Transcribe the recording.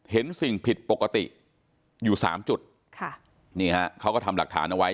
เห็นสิ่งผิดปกติอยู่สามจุดค่ะนี่ฮะเขาก็ทำหลักฐานเอาไว้